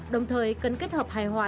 đồng thời cần kết hợp hài hòa